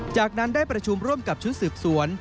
จากนั้นได้ประชุมร่วมกับชุดสืบสวน